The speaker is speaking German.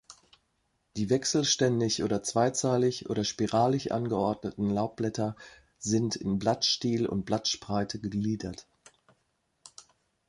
Die wechselständig und zweizeilig oder spiralig angeordneten Laubblätter sind in Blattstiel und Blattspreite gegliedert.